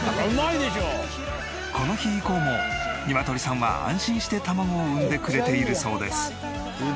この日以降もニワトリさんは安心して卵を産んでくれているそうです。